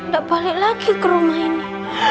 gak balik lagi ke rumah ini